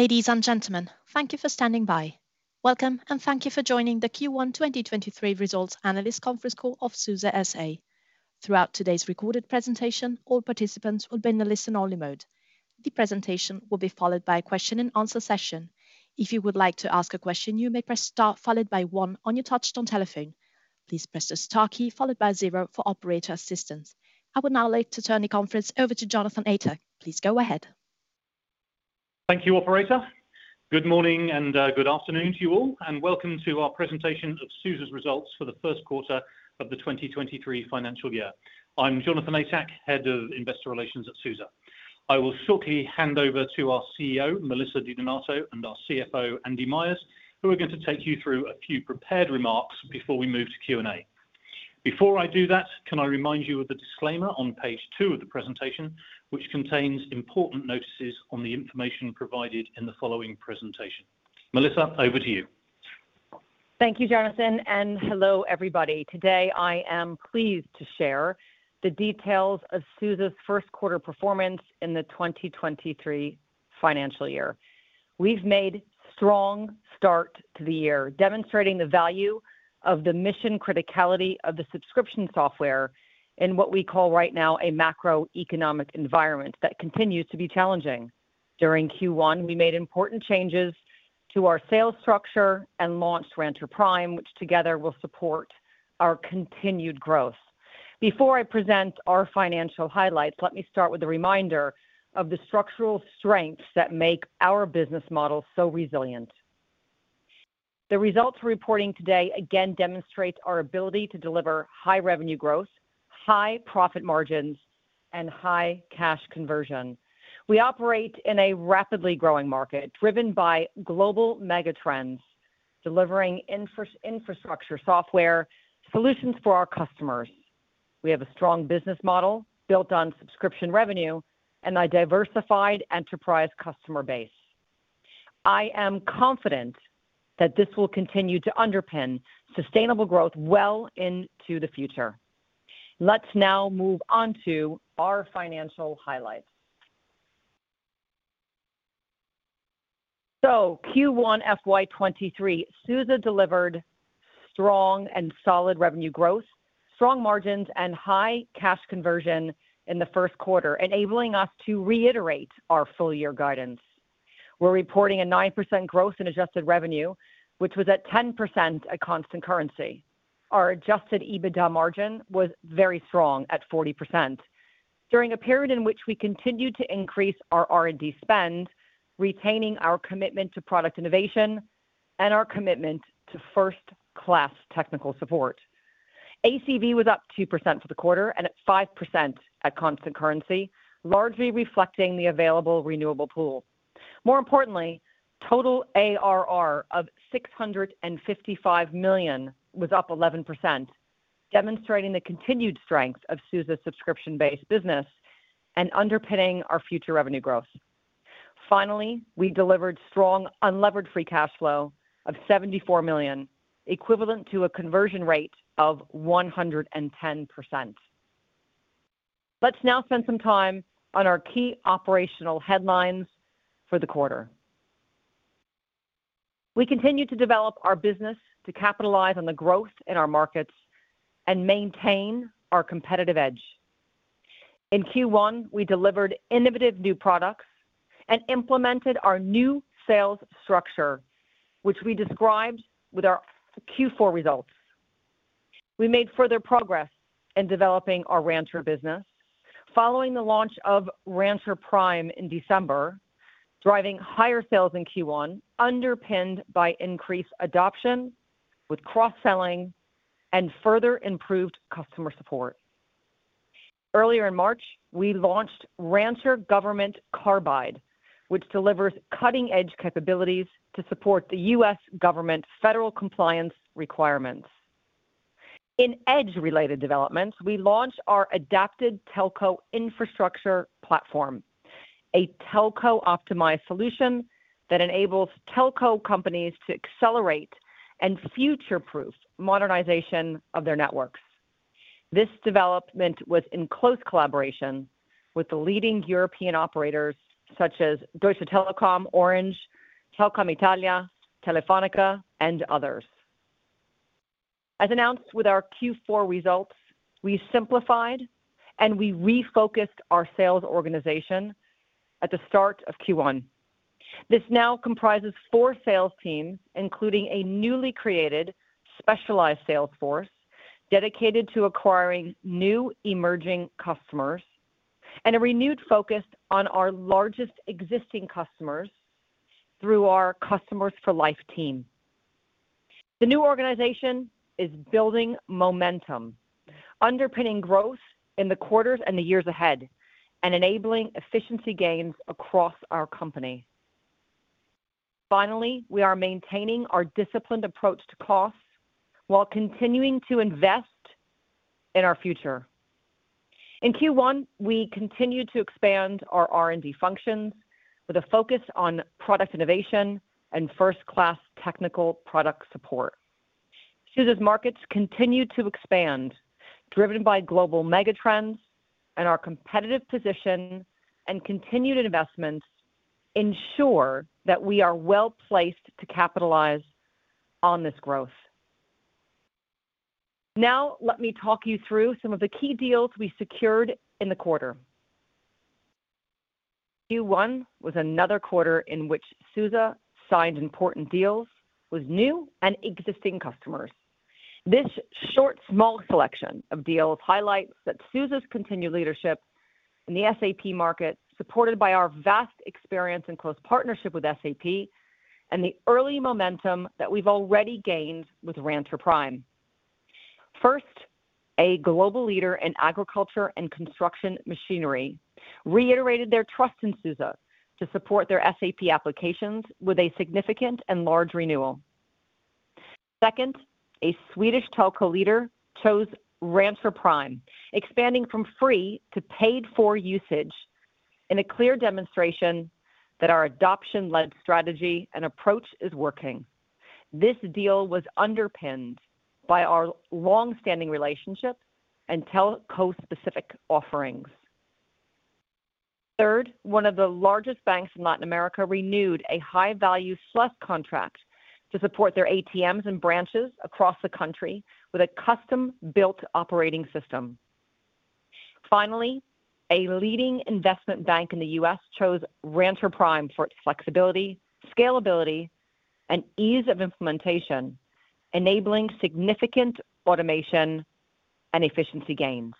Ladies and gentlemen, thank you for standing by. Welcome and thank you for joining the Q1 2023 Results Analyst Conference Call of SUSE S.A. Throughout today's recorded presentation, all participants will be in a listen-only mode. The presentation will be followed by a question-and-answer session. If you would like to ask a question, you may press star followed by one on your touch-tone telephone. Please press the star key followed by zero for operator assistance. I would now like to turn the conference over to Jonathan Atack. Please go ahead. Thank you, operator. Good morning and good afternoon to you all, welcome to our presentation of SUSE's results for the first quarter of the 2023 financial year. I'm Jonathan Atack, Head of Investor Relations at SUSE. I will shortly hand over to our CEO, Melissa Di Donato, and our CFO, Andy Myers, who are going to take you through a few prepared remarks before we move to Q&A. Before I do that, can I remind you of the disclaimer on page two of the presentation, which contains important notices on the information provided in the following presentation. Melissa, over to you. Thank you, Jonathan. Hello, everybody. Today, I am pleased to share the details of SUSE's first quarter performance in the 2023 financial year. We've made strong start to the year, demonstrating the value of the mission criticality of the subscription software in what we call right now a macroeconomic environment that continues to be challenging. During Q1, we made important changes to our sales structure and launched Rancher Prime, which together will support our continued growth. Before I present our financial highlights, let me start with a reminder of the structural strengths that make our business model so resilient. The results we're reporting today again demonstrates our ability to deliver high revenue growth, high profit margins, and high cash conversion. We operate in a rapidly growing market driven by global mega trends, delivering infrastructure software solutions for our customers. We have a strong business model built on subscription revenue and a diversified enterprise customer base. I am confident that this will continue to underpin sustainable growth well into the future. Let's now move on to our financial highlights. Q1 FY 2023, SUSE delivered strong and solid revenue growth, strong margins, and high cash conversion in the first quarter, enabling us to reiterate our full-year guidance. We're reporting a 9% growth in adjusted revenue, which was at 10% at constant currency. Our adjusted EBITDA margin was very strong at 40% during a period in which we continued to increase our R&D spend, retaining our commitment to product innovation and our commitment to first-class technical support. ACV was up 2% for the quarter and at 5% at constant currency, largely reflecting the available renewable pool. More importantly, total ARR of $655 million was up 11%, demonstrating the continued strength of SUSE's subscription-based business and underpinning our future revenue growth. We delivered strong unlevered free cash flow of $74 million, equivalent to a conversion rate of 110%. Let's now spend some time on our key operational headlines for the quarter. We continue to develop our business to capitalize on the growth in our markets and maintain our competitive edge. In Q1, we delivered innovative new products and implemented our new sales structure, which we described with our Q4 results. We made further progress in developing our Rancher business following the launch of Rancher Prime in December, driving higher sales in Q1, underpinned by increased adoption with cross-selling and further improved customer support. Earlier in March, we launched Rancher Government Carbide, which delivers cutting-edge capabilities to support the U.S. government federal compliance requirements. In Edge-related developments, we launched our Adaptive Telco Infrastructure Platform, a telco-optimized solution that enables telco companies to accelerate and future-proof modernization of their networks. This development was in close collaboration with the leading European operators such as Deutsche Telekom, Orange, Telecom Italia, Telefónica, and others. As announced with our Q4 results, we simplified, and we refocused our sales organization at the start of Q1. This now comprises four sales teams, including a newly created specialized sales force dedicated to acquiring new emerging customers and a renewed focus on our largest existing customers through our Customers for Life team. The new organization is building momentum, underpinning growth in the quarters and the years ahead, and enabling efficiency gains across our company. Finally, we are maintaining our disciplined approach to costs while continuing to invest in our future. In Q1, we continued to expand our R&D functions with a focus on product innovation and first-class technical product support. SUSE's markets continue to expand, driven by global mega trends, and our competitive position and continued investments ensure that we are well-placed to capitalize on this growth. Now let me talk you through some of the key deals we secured in the quarter. Q1 was another quarter in which SUSE signed important deals with new and existing customers. This short, small selection of deals highlights that SUSE's continued leadership in the SAP market, supported by our vast experience and close partnership with SAP, and the early momentum that we've already gained with Rancher Prime. A global leader in agriculture and construction machinery reiterated their trust in SUSE to support their SAP applications with a significant and large renewal. A Swedish telco leader chose Rancher Prime, expanding from free to paid-for usage in a clear demonstration that our adoption-led strategy and approach is working. This deal was underpinned by our long-standing relationship and telco-specific offerings. One of the largest banks in Latin America renewed a high-value SLES contract to support their ATMs and branches across the country with a custom-built operating system. A leading investment bank in the U.S. chose Rancher Prime for its flexibility, scalability and ease of implementation, enabling significant automation and efficiency gains.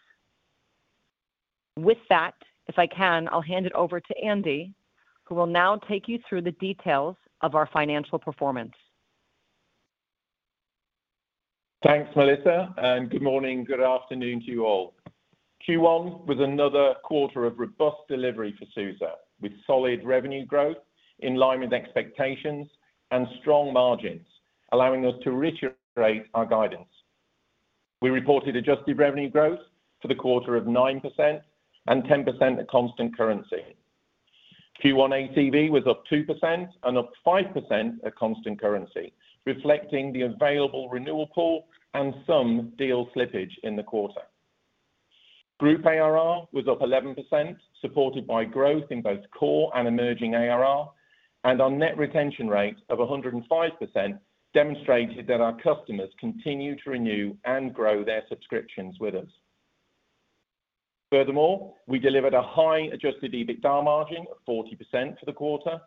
With that, if I can, I'll hand it over to Andy, who will now take you through the details of our financial performance. Thanks, Melissa. Good morning, good afternoon to you all. Q1 was another quarter of robust delivery for SUSE, with solid revenue growth in line with expectations and strong margins, allowing us to reiterate our guidance. We reported adjusted revenue growth for the quarter of 9% and 10% at constant currency. Q1 ACV was up 2% and up 5% at constant currency, reflecting the available renewal pool and some deal slippage in the quarter. Group ARR was up 11%, supported by growth in both core and emerging ARR, and our net retention rate of 105% demonstrated that our customers continue to renew and grow their subscriptions with us. Furthermore, we delivered a high adjusted EBITDA margin of 40% for the quarter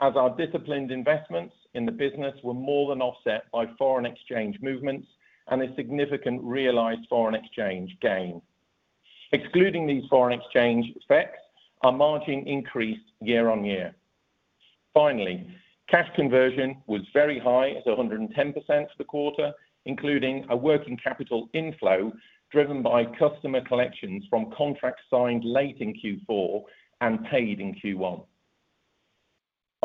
as our disciplined investments in the business were more than offset by foreign exchange movements and a significant realized foreign exchange gain. Excluding these foreign exchange effects, our margin increased year-on-year. Finally, cash conversion was very high at 110% for the quarter, including a working capital inflow driven by customer collections from contracts signed late in Q4 and paid in Q1.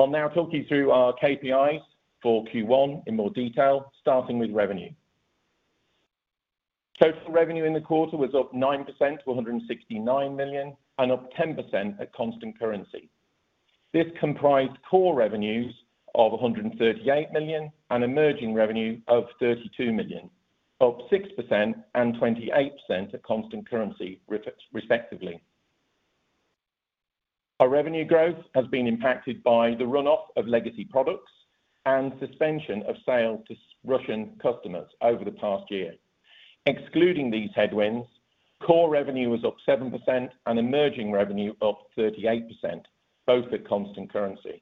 I'll now talk you through our KPIs for Q1 in more detail, starting with revenue. Total revenue in the quarter was up 9% to $169 million and up 10% at constant currency. This comprised core revenues of $138 million and emerging revenue of $32 million, up 6% and 28% at constant currency, respectively. Our revenue growth has been impacted by the run-off of legacy products and suspension of sales to Russian customers over the past year. Excluding these headwinds, core revenue was up 7% and emerging revenue up 38%, both at constant currency.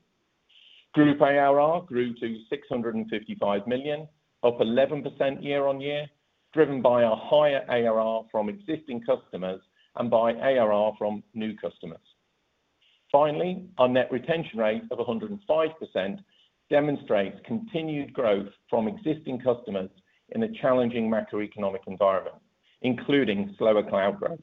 Group ARR grew to $655 million, up 11% year-on-year, driven by our higher ARR from existing customers and by ARR from new customers. Finally, our net retention rate of 105% demonstrates continued growth from existing customers in a challenging macroeconomic environment, including slower cloud growth.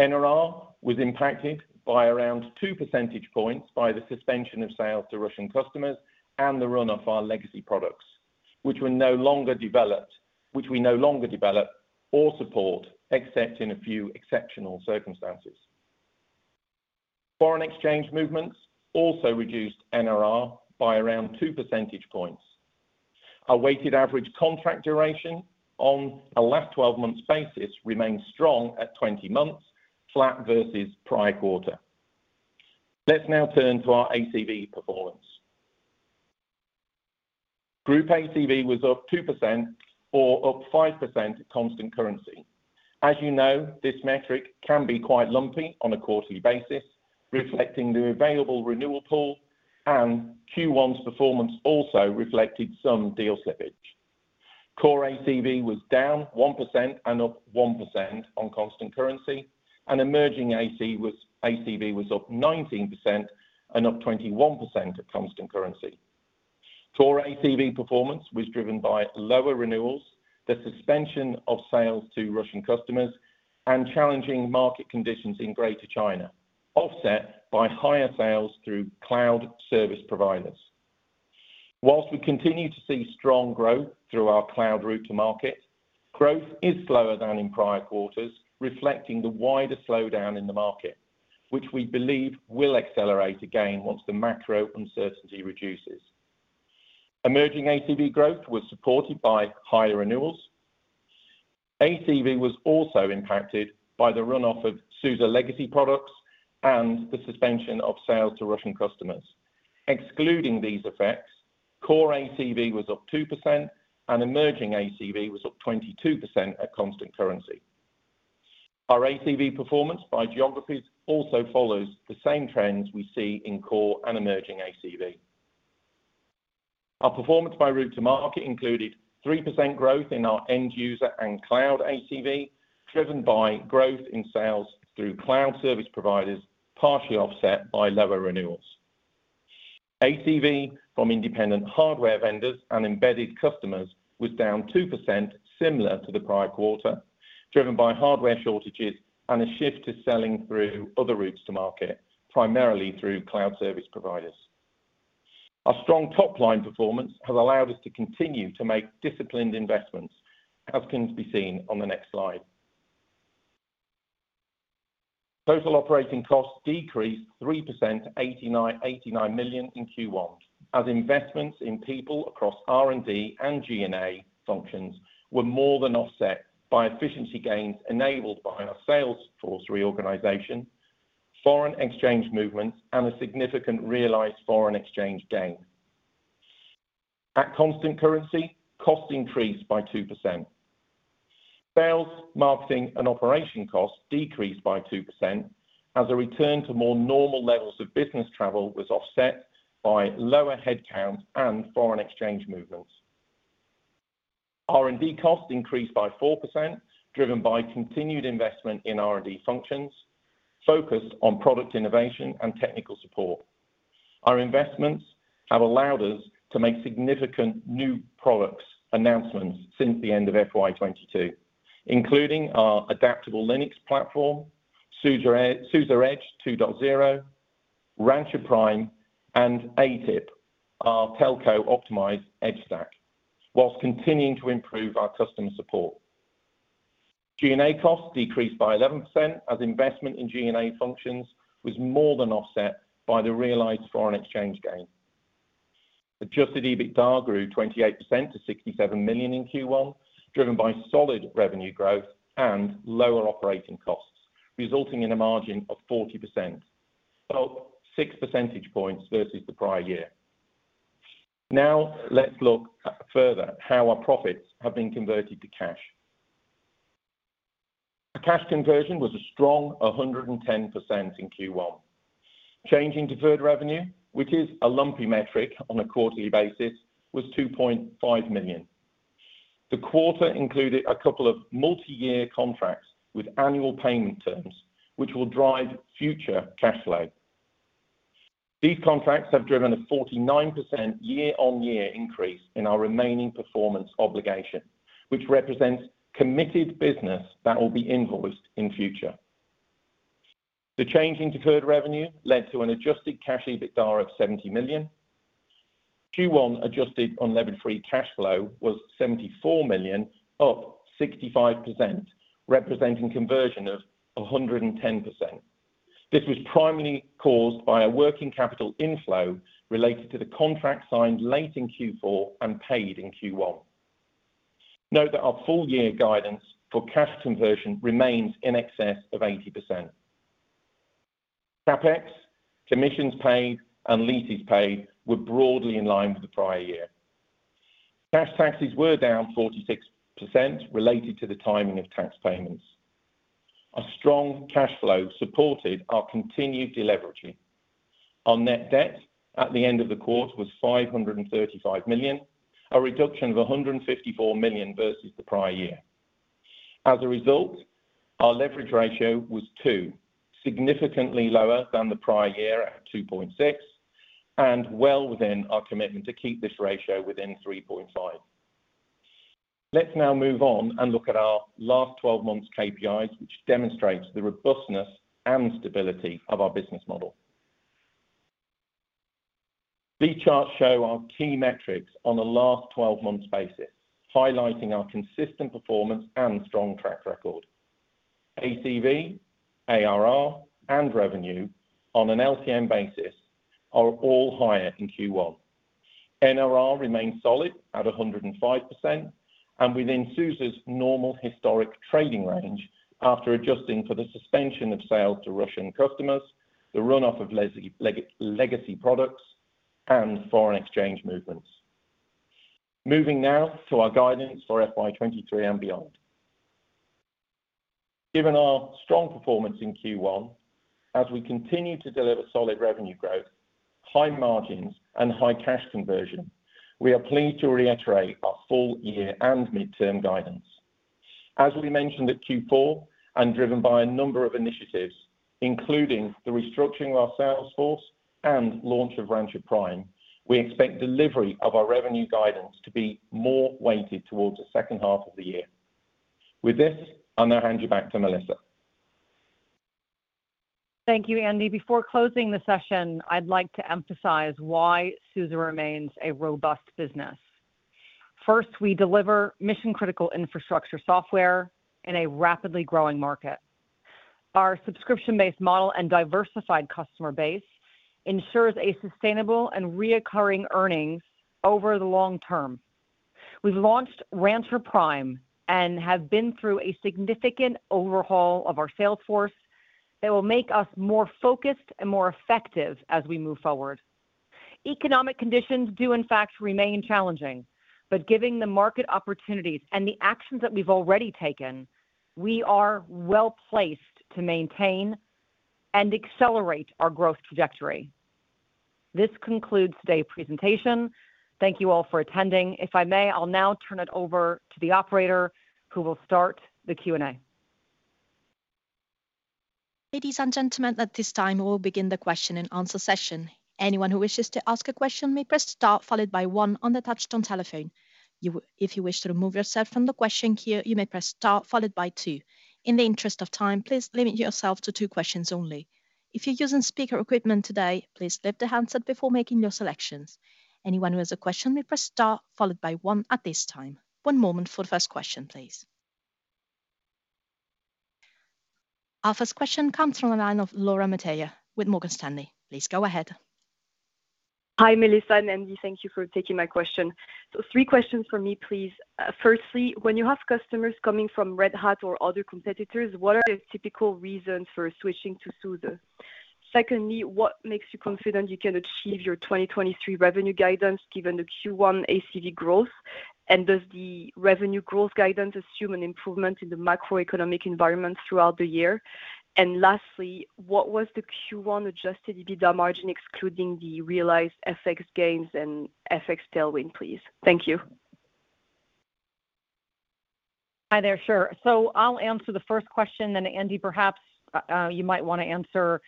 NRR was impacted by around 2 percentage points by the suspension of sales to Russian customers and the run-off of our legacy products, which we no longer develop or support except in a few exceptional circumstances. Foreign exchange movements also reduced NRR by around 2 percentage points. Our weighted average contract duration on a last 12 months basis remains strong at 20 months, flat versus prior quarter. Let's now turn to our ACV performance. Group ACV was up 2% or up 5% at constant currency. As you know, this metric can be quite lumpy on a quarterly basis, reflecting the available renewal pool, and Q1's performance also reflected some deal slippage. Core ACV was down 1% and up 1% on constant currency, and emerging ACV was up 19% and up 21% at constant currency. Core ACV performance was driven by lower renewals, the suspension of sales to Russian customers, and challenging market conditions in Greater China, offset by higher sales through cloud service providers. We continue to see strong growth through our cloud route to market. Growth is slower than in prior quarters, reflecting the wider slowdown in the market, which we believe will accelerate again once the macro uncertainty reduces. Emerging ACV growth was supported by higher renewals. ACV was also impacted by the run-off of SUSE legacy products and the suspension of sales to Russian customers. Excluding these effects, core ACV was up 2% and emerging ACV was up 22% at constant currency. Our ACV performance by geographies also follows the same trends we see in core and emerging ACV. Our performance by route to market included 3% growth in our end user and cloud ACV, driven by growth in sales through cloud service providers, partially offset by lower renewals. ACV from independent hardware vendors and embedded customers was down 2% similar to the prior quarter, driven by hardware shortages and a shift to selling through other routes to market, primarily through cloud service providers. Our strong top-line performance has allowed us to continue to make disciplined investments, as can be seen on the next slide. Total operating costs decreased 3% to 89 million in Q1, as investments in people across R&D and G&A functions were more than offset by efficiency gains enabled by our sales force reorganization, foreign exchange movements, and a significant realized foreign exchange gain. At constant currency, costs increased by 2%. Sales, marketing, and operation costs decreased by 2% as a return to more normal levels of business travel was offset by lower headcounts and foreign exchange movements. R&D costs increased by 4%, driven by continued investment in R&D functions, focused on product innovation and technical support. Our investments have allowed us to make significant new products announcements since the end of FY 2022, including our Adaptable Linux Platform, SUSE Edge 2.0, Rancher Prime, and ATIP, our Telco Optimized Edge Stack, while continuing to improve our customer support. G&A costs decreased by 11% as investment in G&A functions was more than offset by the realized foreign exchange gain. Adjusted EBITDA grew 28% to $67 million in Q1, driven by solid revenue growth and lower operating costs, resulting in a margin of 40%. 6 percentage points versus the prior year. Let's look at further how our profits have been converted to cash. The cash conversion was a strong 110% in Q1. Change in deferred revenue, which is a lumpy metric on a quarterly basis, was $2.5 million. The quarter included a couple of multi-year contracts with annual payment terms, which will drive future cash flow. These contracts have driven a 49% year-on-year increase in our Remaining Performance Obligation, which represents committed business that will be invoiced in future. The change in deferred revenue led to an Adjusted Cash EBITDA of $70 million. Q1 unlevered free cash flow was $74 million, up 65%, representing conversion of 110%. This was primarily caused by a working capital inflow related to the contract signed late in Q4 and paid in Q1. Note that our full-year guidance for cash conversion remains in excess of 80%. Capex, commissions paid, and leases paid were broadly in line with the prior year. Cash taxes were down 46% related to the timing of tax payments. Our strong cash flow supported our continued deleveraging. Our net debt at the end of the quarter was $535 million, a reduction of $154 million versus the prior year. As a result, our leverage ratio was two, significantly lower than the prior year at 2.6, and well within our commitment to keep this ratio within 3.5. Let's now move on and look at our last 12 months KPIs which demonstrates the robustness and stability of our business model. These charts show our key metrics on a last 12 months basis, highlighting our consistent performance and strong track record. ACV, ARR, and revenue on an LTM basis are all higher in Q1. NRR remains solid at 105% and within SUSE's normal historic trading range after adjusting for the suspension of sales to Russian customers, the run off of legacy products, and foreign exchange movements. Moving now to our guidance for FY 2023 and beyond. Given our strong performance in Q1, as we continue to deliver solid revenue growth, high margins, and high cash conversion, we are pleased to reiterate our full-year and midterm guidance. As we mentioned at Q4, and driven by a number of initiatives, including the restructuring of our sales force and launch of Rancher Prime, we expect delivery of our revenue guidance to be more weighted towards the second half of the year. With this, I now hand you back to Melissa. Thank you, Andy. Before closing the session, I'd like to emphasize why SUSE remains a robust business. First, we deliver mission-critical infrastructure software in a rapidly growing market. Our subscription-based model and diversified customer base ensures a sustainable and reoccurring earnings over the long-term. We've launched Rancher Prime and have been through a significant overhaul of our sales force that will make us more focused and more effective as we move forward. Economic conditions do in fact remain challenging, giving the market opportunities and the actions that we've already taken, we are well-placed to maintain and accelerate our growth trajectory. This concludes today's presentation. Thank you all for attending. If I may, I'll now turn it over to the operator who will start the Q&A. Ladies and gentlemen, at this time, we'll begin the question and answer session. Anyone who wishes to ask a question may press star followed by one on the touchtone telephone. If you wish to remove yourself from the question queue, you may press star followed by two. In the interest of time, please limit yourself to two questions only. If you're using speaker equipment today, please lift the handset before making your selections. Anyone who has a question may press star followed by one at this time. One moment for the first question, please. Our first question comes from the line of Laura Metayer with Morgan Stanley. Please go ahead. Hi, Melissa and Andy. Thank you for taking my question. Three questions from me, please. Firstly, when you have customers coming from Red Hat or other competitors, what are the typical reasons for switching to SUSE? Secondly, what makes you confident you can achieve your 2023 revenue guidance given the Q1 ACV growth? Does the revenue growth guidance assume an improvement in the macroeconomic environment throughout the year? Lastly, what was the Q1 adjusted EBITDA margin excluding the realized FX gains and FX tailwind, please? Thank you. Hi there. Sure. I'll answer the first question then Andy, perhaps, you might wanna answer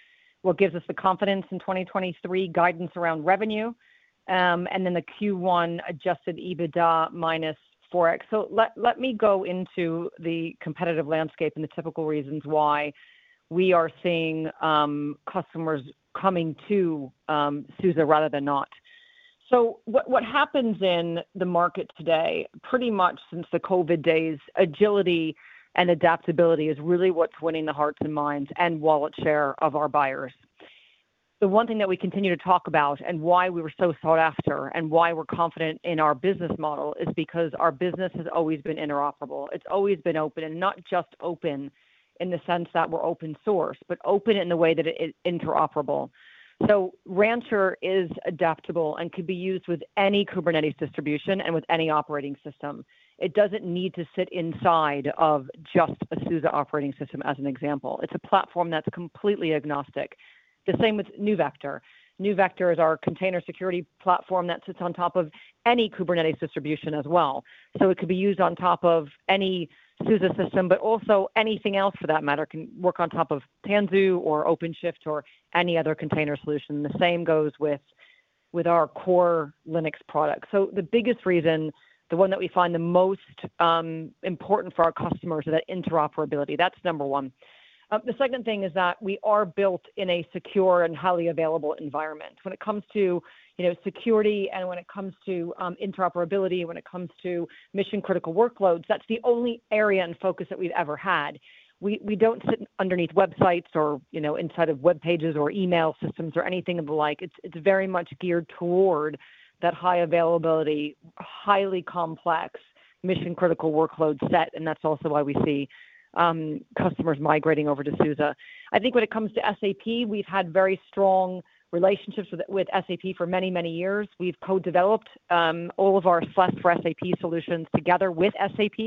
what gives us the confidence in 2023 guidance around revenue, and then the Q1 Adjusted EBITDA minus Forex. Let me go into the competitive landscape and the typical reasons why we are seeing customers coming to SUSE rather than not. What happens in the market today, pretty much since the COVID days, agility and adaptability is really what's winning the hearts and minds and wallet share of our buyers. The one thing that we continue to talk about and why we were so sought after and why we're confident in our business model is because our business has always been interoperable. It's always been open, not just open in the sense that we're open source, but open in the way that it is interoperable. Rancher is adaptable and could be used with any Kubernetes distribution and with any operating system. It doesn't need to sit inside of just a SUSE operating system as an example. It's a platform that's completely agnostic. The same with NeuVector. NeuVector is our container security platform that sits on top of any Kubernetes distribution as well. It could be used on top of any SUSE system, but also anything else for that matter can work on top of Tanzu or OpenShift or any other container solution. The same goes with our core Linux product. The biggest reason, the one that we find the most important for our customers is that interoperability. That's number one. Of the second thing is that we are built in a secure and highly available environment. When it comes to, you know, security and when it comes to interoperability, when it comes to mission-critical workloads, that's the only area and focus that we've ever had. We don't sit underneath websites or, you know, inside of web pages or email systems or anything of the like. It's very much geared toward that high availability, highly complex mission-critical workload set, and that's also why we see customers migrating over to SUSE. I think when it comes to SAP, we've had very strong relationships with SAP for many, many years. We've co-developed all of our SLES for SAP solutions together with SAP.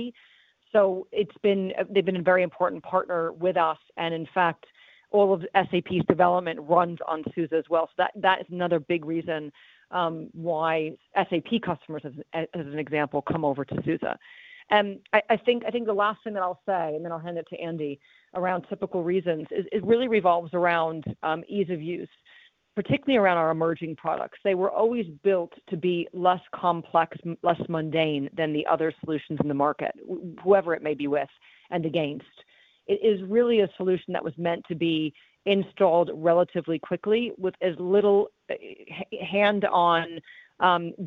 They've been a very important partner with us, and in fact, all of SAP's development runs on SUSE as well. That, that is another big reason why SAP customers as an example come over to SUSE. I think the last thing that I'll say, and then I'll hand it to Andy around typical reasons, is it really revolves around ease of use, particularly around our emerging products. They were always built to be less complex, less mundane than the other solutions in the market, whoever it may be with and against. It is really a solution that was meant to be installed relatively quickly with as little hand on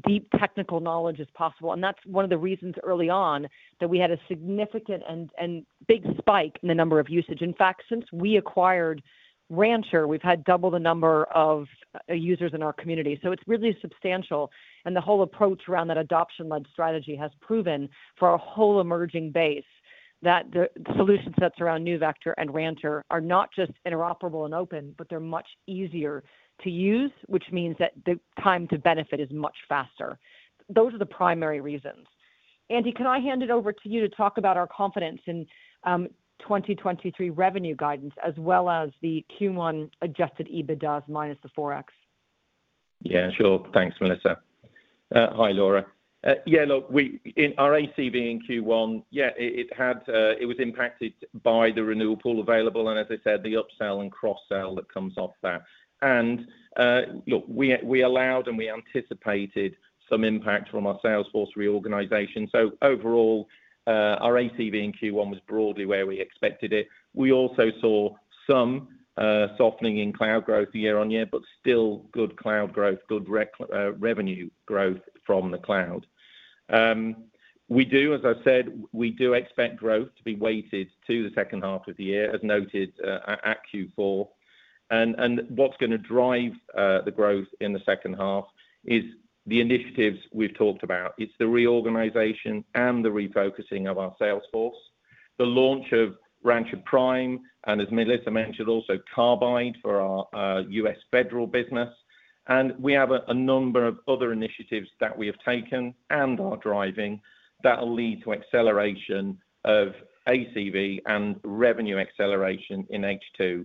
deep technical knowledge as possible. That's one of the reasons early on that we had a significant and big spike in the number of usage. In fact, since we acquired Rancher, we've had double the number of users in our community. So it's really substantial, and the whole approach around that adoption-led strategy has proven for our whole emerging base that the solution sets around NeuVector and Rancher are not just interoperable and open, but they're much easier to use, which means that the time to benefit is much faster. Those are the primary reasons. Andy, can I hand it over to you to talk about our confidence in 2023 revenue guidance as well as the Q1 adjusted EBITDAs minus the Forex? Yeah, sure. Thanks, Melissa. Hi, Laura. Yeah, look, we in our ACV in Q1, it had, it was impacted by the renewal pool available, and as I said, the upsell and cross-sell that comes off that. Look, we allowed and we anticipated some impact from our sales force reorganization. Overall, our ACV in Q1 was broadly where we expected it. We also saw some softening in cloud growth year-on-year, but still good cloud growth, good revenue growth from the cloud. We do, as I said, we do expect growth to be weighted to the second half of the year, as noted, at Q4. What's gonna drive the growth in the second half is the initiatives we've talked about. It's the reorganization and the refocusing of our sales force, the launch of Rancher Prime, and as Melissa mentioned, also Carbide for our US federal business. We have a number of other initiatives that we have taken and are driving that'll lead to acceleration of ACV and revenue acceleration in H2.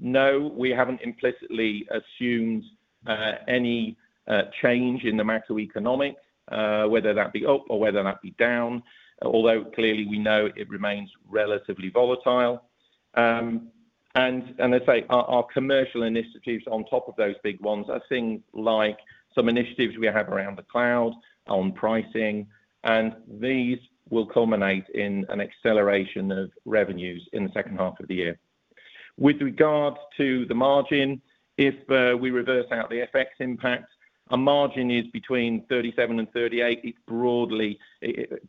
No, we haven't implicitly assumed any change in the macroeconomic, whether that be up or whether that be down, although clearly we know it remains relatively volatile. As I say, our commercial initiatives on top of those big ones are things like some initiatives we have around the cloud, on pricing, and these will culminate in an acceleration of revenues in the second half of the year. With regards to the margin, if we reverse out the FX impact, our margin is between 37% and 38%. It's broadly,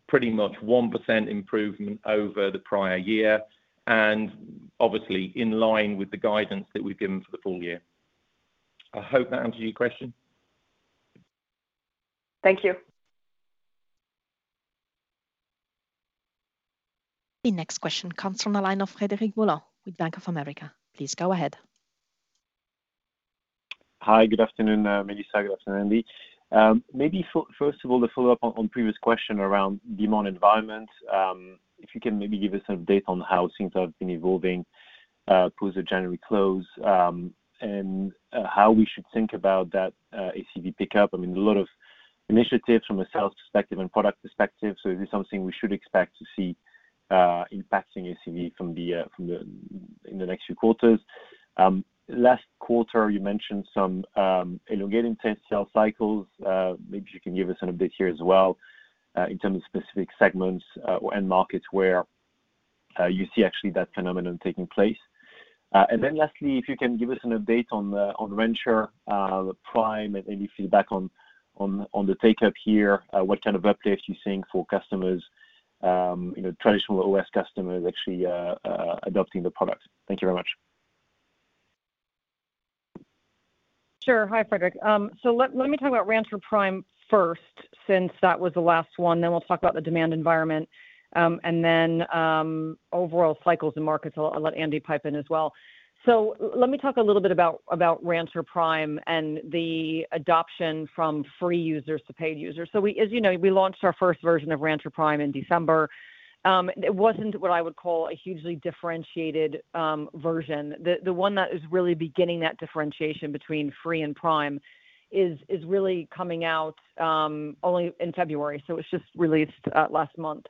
pretty much 1% improvement over the prior year, and obviously in line with the guidance that we've given for the full-year. I hope that answers your question. Thank you. The next question comes from the line of Frederic Boulan with Bank of America. Please go ahead. Hi. Good afternoon, Melissa. Good afternoon, Andy. Maybe first of all, to follow up on previous question around demand environment, if you can maybe give us an update on how things have been evolving, post the January close, and how we should think about that ACV pickup. I mean, a lot of initiatives from a sales perspective and product perspective, so is this something we should expect to see impacting ACV from the in the next few quarters? Last quarter, you mentioned some elongating test sale cycles. Maybe you can give us an update here as well, in terms of specific segments, and markets where you see actually that phenomenon taking place. Then lastly, if you can give us an update on Rancher Prime, and maybe feedback on the take-up here, what kind of uptake you're seeing for customers, you know, traditional OS customers actually adopting the product? Thank you very much. Sure. Hi, Frederic. Let me talk about Rancher Prime first since that was the last one, then we'll talk about the demand environment, and then, overall cycles and markets. I'll let Andy pipe in as well. Let me talk a little bit about Rancher Prime and the adoption from free users to paid users. We, as you know, we launched our first version of Rancher Prime in December. It wasn't what I would call a hugely differentiated version. The one that is really beginning that differentiation between free and Prime is really coming out only in February, so it was just released last month.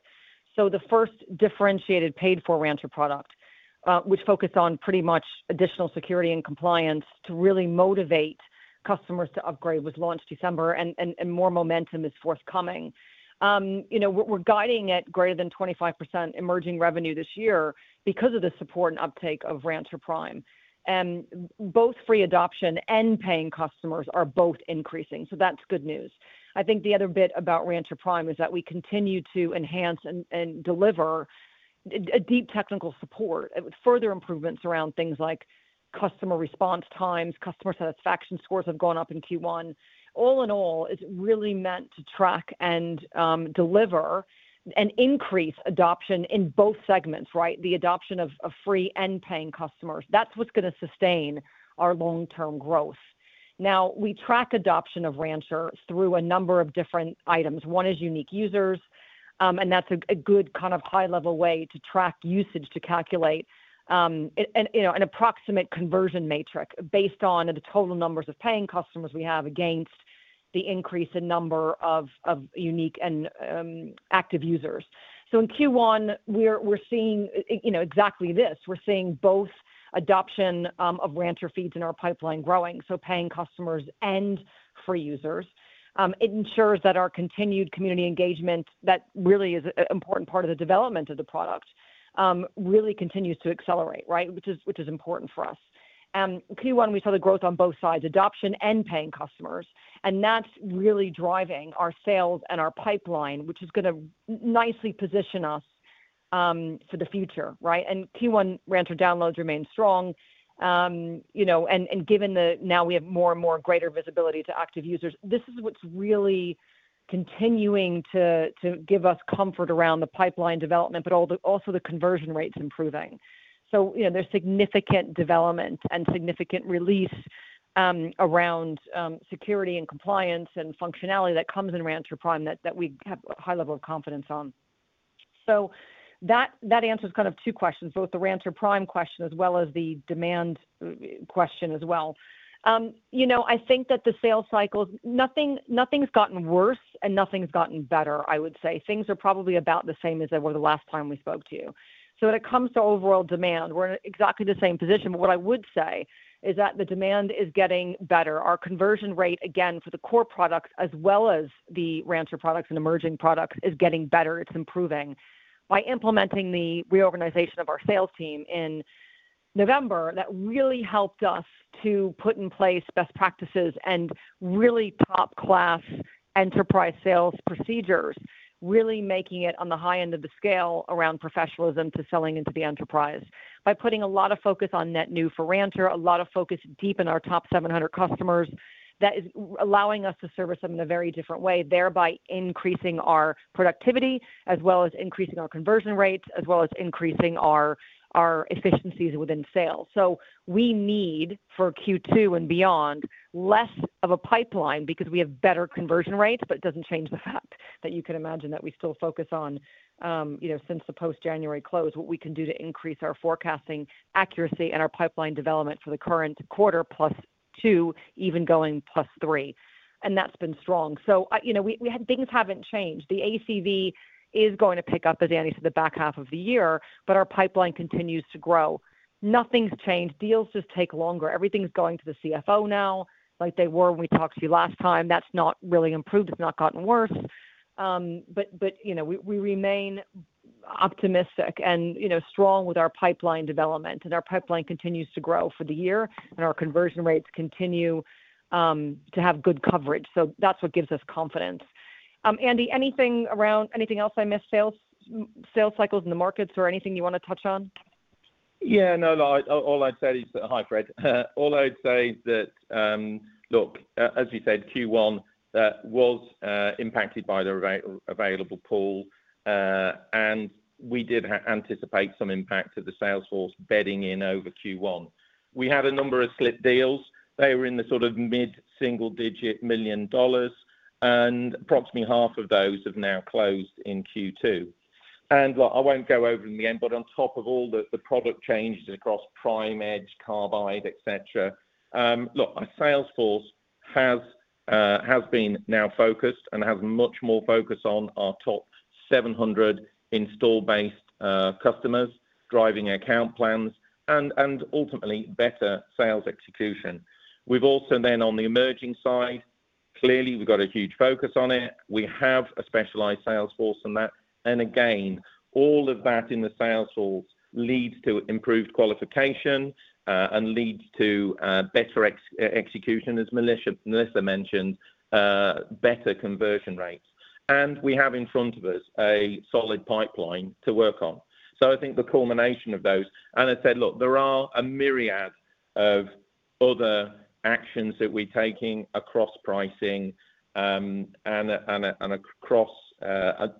So the first differentiated paid for Rancher product, which focused on pretty much additional security and compliance to really motivate customers to upgrade, was launched December, and more momentum is forthcoming. You know, we're guiding at greater than 25% emerging revenue this year because of the support and uptake of Rancher Prime. Both free adoption and paying customers are both increasing, so that's good news. I think the other bit about Rancher Prime is that we continue to enhance and deliver a deep technical support with further improvements around things like customer response times, customer satisfaction scores have gone up in Q1. All in all, it's really meant to track and deliver and increase adoption in both segments, right? The adoption of free and paying customers. That's what's gonna sustain our long-term growth. Now we track adoption of Rancher through a number of different items. One is unique users, and that's a good kind of high-level way to track usage to calculate, you know, an approximate conversion metric based on the total numbers of paying customers we have against the increase in number of unique and active users. In Q1, we're seeing, you know, exactly this. We're seeing both adoption of Rancher feeds in our pipeline growing, so paying customers and free users. It ensures that our continued community engagement, that really is an important part of the development of the product, really continues to accelerate, right? Which is important for us. And Q1, we saw the growth on both sides, adoption and paying customers, and that's really driving our sales and our pipeline, which is gonna nicely position us for the future, right? Q1 Rancher downloads remain strong, you know, and given now we have more and more greater visibility to active users. This is what's really continuing to give us comfort around the pipeline development, but also the conversion rates improving. You know, there's significant development and significant release around security and compliance and functionality that comes in Rancher Prime that we have a high level of confidence on. That answers kind of two questions, both the Rancher Prime question as well as the demand question as well. You know, I think that the sales cycle, nothing's gotten worse and nothing's gotten better, I would say. Things are probably about the same as they were the last time we spoke to you. When it comes to overall demand, we're in exactly the same position. What I would say is that the demand is getting better. Our conversion rate, again, for the core products as well as the Rancher products and emerging products is getting better. It's improving. By implementing the reorganization of our sales team in November, that really helped us to put in place best practices and really top-class enterprise sales procedures, really making it on the high end of the scale around professionalism to selling into the enterprise. By putting a lot of focus on net new for Rancher, a lot of focus deep in our top 700 customers, that is allowing us to service them in a very different way, thereby increasing our productivity as well as increasing our conversion rates, as well as increasing our efficiencies within sales. We need for Q2 and beyond less of a pipeline because we have better conversion rates, but it doesn't change the fact that you can imagine that we still focus on, you know, since the post-January close, what we can do to increase our forecasting accuracy and our pipeline development for the current quarter +2, even going +3. That's been strong. You know, things haven't changed. The ACV is going to pick up, as Andy said, the back half of the year, but our pipeline continues to grow. Nothing's changed. Deals just take longer. Everything's going to the CFO now, like they were when we talked to you last time. That's not really improved. It's not gotten worse. You know, we remain optimistic and, you know, strong with our pipeline development. Our pipeline continues to grow for the year, and our conversion rates continue to have good coverage. That's what gives us confidence. Andy, anything else I missed, sales cycles in the markets or anything you want to touch on? Yeah, no, all I'd say is. Hi, Fred. All I'd say is that, look, as you said, Q1 was impacted by the available pool, and we did anticipate some impact to the sales force bedding in over Q1. We had a number of slipped deals. They were in the sort of mid-single-digit million dollars, and approximately half of those have now closed in Q2. Look, I won't go over them again, but on top of all the product changes across Prime, Edge, Carbide, et cetera, look, our sales force has been now focused and has much more focus on our top 700 install-based customers, driving account plans and ultimately better sales execution. We've also then on the emerging side, clearly we've got a huge focus on it. We have a specialized sales force on that. And again, all of that in the sales force leads to improved qualification, and leads to better execution, as Melissa mentioned, better conversion rates. We have in front of us a solid pipeline to work on. I think the culmination of those... I said, look, there are a myriad of other actions that we're taking across pricing, and across,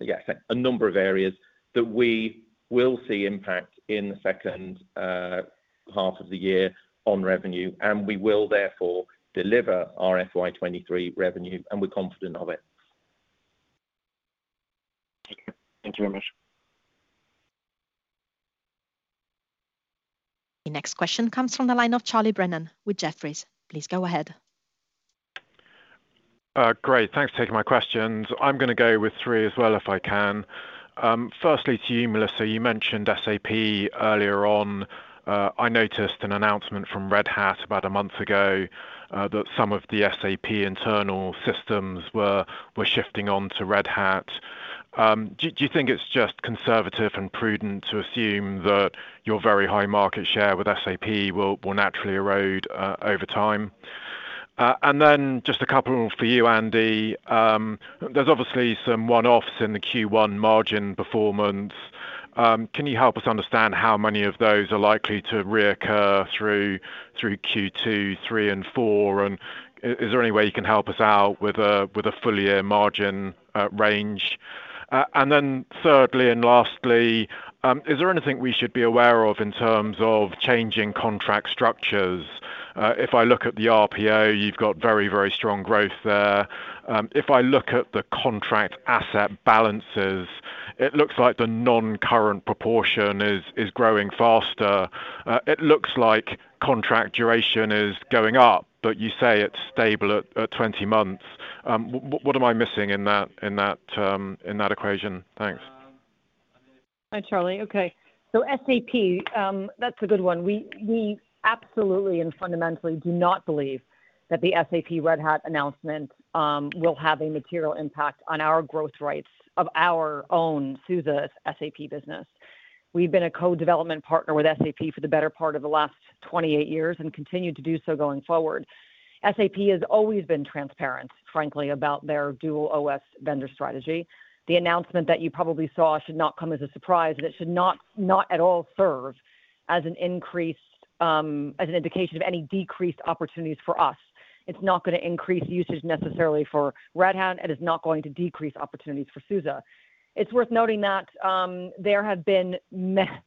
yeah, a number of areas that we will see impact in the second half of the year on revenue, and we will therefore deliver our FY 2023 revenue, and we're confident of it. Thank you. Thank you very much. The next question comes from the line of Charles Brennan with Jefferies. Please go ahead. Great. Thanks for taking my questions. I'm gonna go with three as well if I can. Firstly to you, Melissa, you mentioned SAP earlier on. I noticed an announcement from Red Hat about a month ago that some of the SAP internal systems were shifting on to Red Hat. Do you think it's just conservative and prudent to assume that your very high market share with SAP will naturally erode over time? Just a couple for you, Andy. There's obviously some one-offs in the Q1 margin performance. Can you help us understand how many of those are likely to reoccur through Q2, three and four? Is there any way you can help us out with a full-year margin range? And then thirdly and lastly, is there anything we should be aware of in terms of changing contract structures? If I look at the RPO, you've got very, very strong growth there. If I look at the contract asset balances, it looks like the non-current proportion is growing faster. It looks like contract duration is going up, but you say it's stable at 20 months. What am I missing in that equation? Thanks. Hi, Charlie. Okay. So SAP, that's a good one. We, we absolutely and fundamentally do not believe that the SAP Red Hat announcement will have a material impact on our growth rates of our own SUSE SAP business. We've been a co-development partner with SAP for the better part of the last 28 years and continue to do so going forward. SAP has always been transparent, frankly, about their dual OS vendor strategy. The announcement that you probably saw should not come as a surprise, and it should not at all serve as an increased as an indication of any decreased opportunities for us. It's not going to increase usage necessarily for Red Hat. It is not going to decrease opportunities for SUSE. It's worth noting that, there have been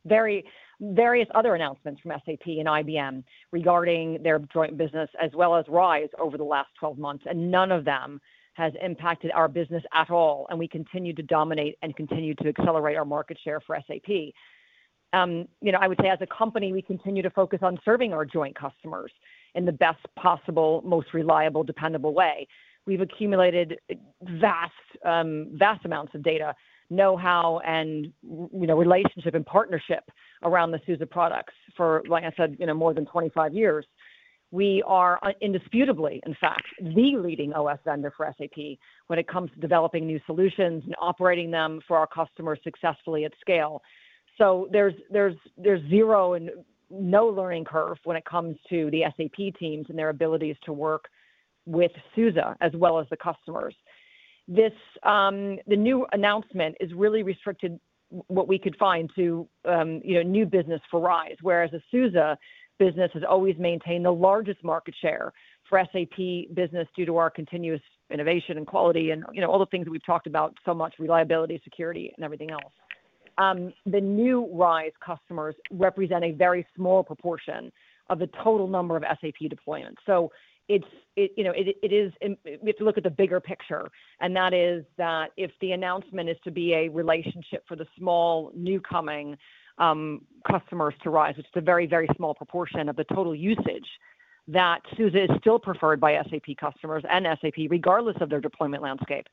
various other announcements from SAP and IBM regarding their joint business as well as RISE over the last 12 months. None of them has impacted our business at all. We continue to dominate and continue to accelerate our market share for SAP. You know, I would say as a company, we continue to focus on serving our joint customers in the best possible, most reliable, dependable way. We've accumulated vast amounts of data, know-how, and, you know, relationship and partnership around the SUSE products for, like I said, you know, more than 25 years. We are indisputably, in fact, the leading OS vendor for SAP when it comes to developing new solutions and operating them for our customers successfully at scale. So there's zero and no learning curve when it comes to the SAP teams and their abilities to work with SUSE as well as the customers. The new announcement has really restricted what we could find to, you know, new business for RISE, whereas the SUSE business has always maintained the largest market share for SAP business due to our continuous innovation and quality and, you know, all the things we've talked about so much, reliability, security, and everything else. The new RISE customers represent a very small proportion of the total number of SAP deployments. So its, you know, it is which look at the bigger picture, and that is that if the announcement is to be a relationship for the small new coming customers to RISE, it's a very, very small proportion of the total usage that SUSE is still preferred by SAP customers and SAP regardless of their deployment landscape.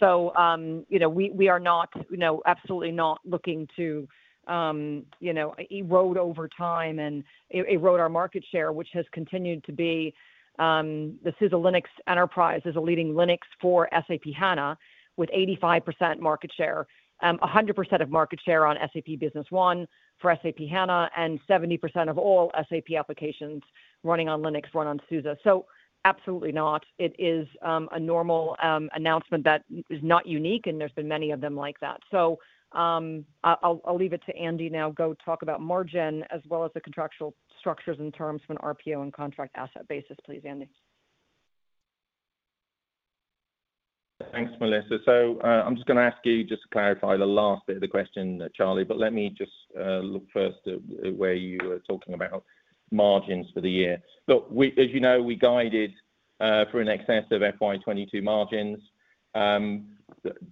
You know, we are not, you know, absolutely not looking to, you know, erode over time and erode our market share, which has continued to be the SUSE Linux Enterprise is a leading Linux for SAP HANA with 85% market share, 100% of market share on SAP Business One for SAP HANA, and 70% of all SAP applications running on Linux run on SUSE. Absolutely not. It is, a normal, announcement that is not unique, and there's been many of them like that. I'll leave it to Andy now go talk about margin as well as the contractual structures and terms from an RPO and contract asset basis, please, Andy. Thanks, Melissa. I'm just gonna ask you just to clarify the last bit of the question, Charlie, but let me just look first at where you were talking about margins for the year. Look, we, as you know, we guided for an excess of FY 2022 margins.